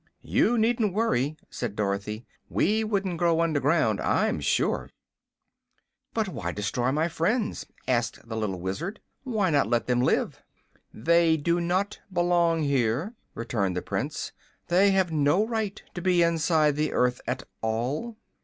"You needn't worry," said Dorothy. "We wouldn't grow under ground, I'm sure." "But why destroy my friends?" asked the little Wizard. "Why not let them live?" "They do not belong here," returned the Prince. "They have no right to be inside the earth at all."